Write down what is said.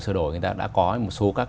sửa đổi người ta đã có một số các